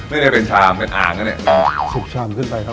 ไม่ได้เป็นโอมเนี่ย